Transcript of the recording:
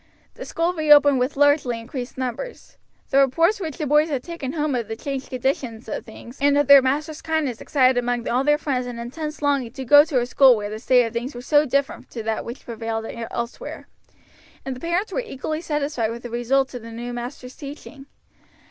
The school reopened with largely increased numbers. The reports which the boys had taken home of the changed conditions of things and of their master's kindness excited among all their friends an intense longing to go to a school where the state of things was so different to that which prevailed elsewhere; and the parents were equally satisfied with the results of the new master's teaching.